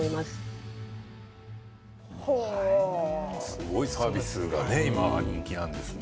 すごいサービスが、今人気なんですね。